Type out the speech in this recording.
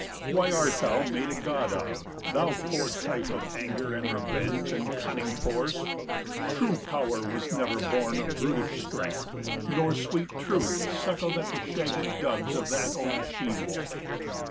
Why art thou made a god of, thou poor type Of anger, and revenge, and cunning force? True Power was never born of brutish strength, Nor sweet Truth suckled at the shaggy dugs 60 Of that old she wolf.